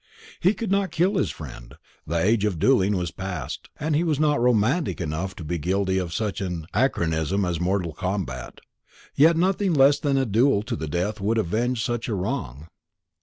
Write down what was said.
He could not kill his friend; the age of duelling was past, and he not romantic enough to be guilty of such an anachronism as mortal combat. Yet nothing less than a duel to the death could avenge such a wrong.